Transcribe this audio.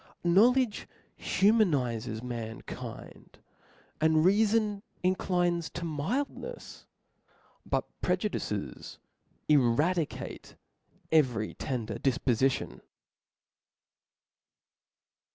Knowledge humanizes mankind, and reafon in clines to mildnefs •, but prejudices eradicate every tender difpofition.